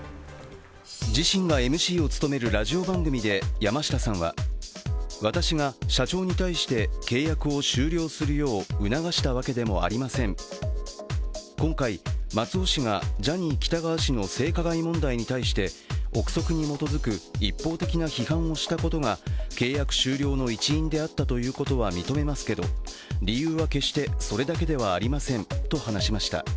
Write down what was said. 自身がＭＣを務めるラジオ番組で山下さんは、私が社長に対して契約を終了するよう促したわけでもありません、今回、松尾氏がジャニー喜多川氏の性加害問題に対して臆測に基づく一方的な批判をしたことが契約終了の一因であったということは認めますけど、理由は決してそれだけではありませんと話しました。